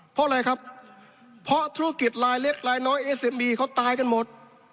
เพราะอะไรครับเพราะธุรกิจลายเล็กลายน้อยเอสเอมีเขาตายกันหมด